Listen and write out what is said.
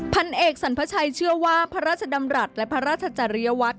พันเอกสรรพชัยเชื่อว่าพระราชดำรัฐและพระราชจริยวัตร